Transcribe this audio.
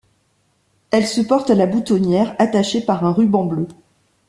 Elle se porte à la boutonnière, attachée par un ruban bleu.